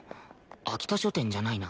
秋田書店じゃないな。